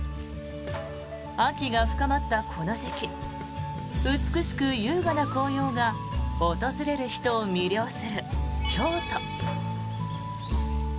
秋が深まったこの時期美しく優雅な紅葉が訪れる人を魅了する京都。